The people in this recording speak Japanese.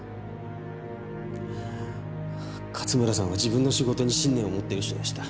勝村さんは自分の仕事に信念を持っている人でした。